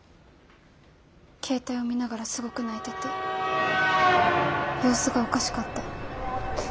携帯を見ながらすごく泣いてて様子がおかしかった。